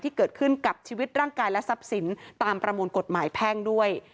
ที่เกิดขึ้นกับชีวิตร่างกายและทรัพย์สินตามประมวลกฎหมายแพ่งด้วย